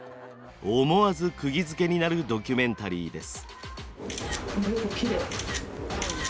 思わずくぎづけになるドキュメンタリーです。